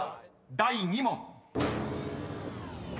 第２問］